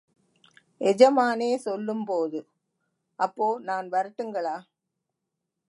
எஜமானே சொல்லும்போது...... அப்போ நான் வரட்டுங்களா?